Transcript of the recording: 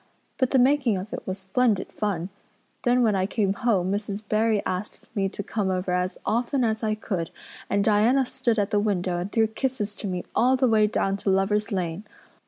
But the making of it was splendid fun. Then when I came home Mrs. Barry asked me to come over as often as I could and Diana stood at the window and threw kisses to me all the way down to Lover's Lane.